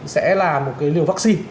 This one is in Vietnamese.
sẽ là một cái liều vaccine